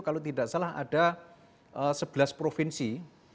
kalau tidak salah ada sebelas provinsi